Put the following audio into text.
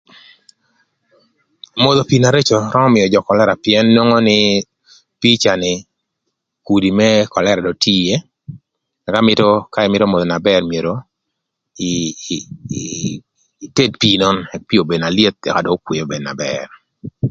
Modho pii na reco römö two kölëra pïën inwongo nï pii ca ni kudi më kölëra dong tye ïë ëka mïtö ka ïmïtö modho na bër myero ï ï ited pii nön ëk pii obed na lyeth ëka dong okwee obed na bër.